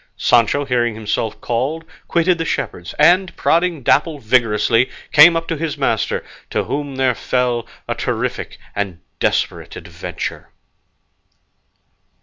Sancho, hearing himself called, quitted the shepherds, and, prodding Dapple vigorously, came up to his master, to whom there fell a terrific and desperate adventure.